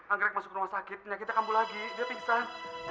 anggrek masuk rumah sakit penyakitnya kampul lagi dia pingsan